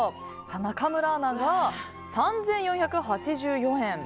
中村アナが３４８４円。